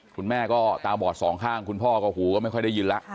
คุณแม่ก็ตาบอดสองข้างคุณพ่อก็หูก็ไม่ค่อยได้ยินแล้ว